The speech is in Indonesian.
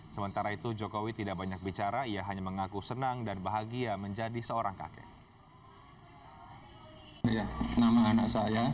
sementara itu jokowi tidak banyak bicara ia hanya mengaku senang dan bahagia menjadi seorang kakek